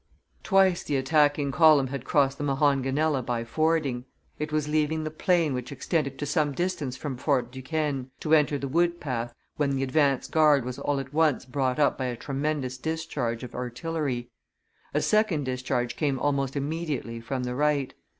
Twice the attacking column had crossed the Monongahela by fording; it was leaving the plain which extended to some distance from Fort Duquesne, to enter the wood path, when the advance guard was all at once brought up by a tremendous discharge of artillery; a second discharge came almost immediately from the right.